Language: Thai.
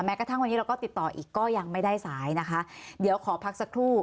กระทั่งวันนี้เราก็ติดต่ออีกก็ยังไม่ได้สายนะคะเดี๋ยวขอพักสักครู่